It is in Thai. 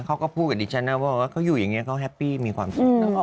เขาก็พูดกับดิฉันนะว่าเขาอยู่อย่างนี้เขาแฮปปี้มีความสุข